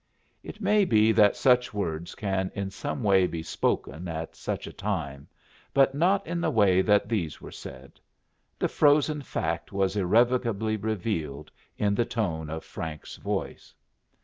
It may be that such words can in some way be spoken at such a time, but not in the way that these were said. The frozen fact was irrevocably revealed in the tone of Frank's voice.